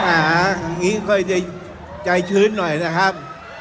อ่านี้ขอให้ใจชื้นหน่อยนะครับ